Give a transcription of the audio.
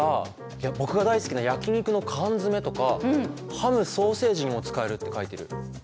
僕が大好きな焼き肉の缶詰めとかハム・ソーセージにも使えるって書いてる。